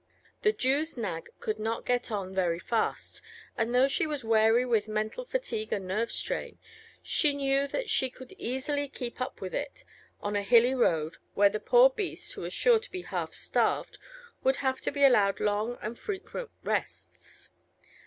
The Jew's nag could not get on very fast, and though she was weary with mental fatigue and nerve strain, she knew that she could easily keep up with it, on a hilly road, where the poor beast, who was sure to be half starved, would have to be allowed long and frequent rests.